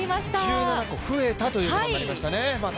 １７個、増えたということになりましたね。